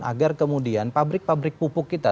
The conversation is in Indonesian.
agar kemudian pabrik pabrik pupuk kita